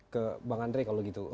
ke bang andre kalau gitu